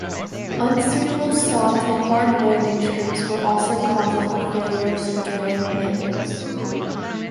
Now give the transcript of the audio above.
Unsuitable soft and hard landing strips were also causes of failures during landings.